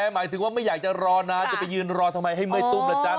หมายถึงว่าไม่อยากจะรอนานจะไปยืนรอทำไมให้เมื่อยตุ้มล่ะจ๊ะ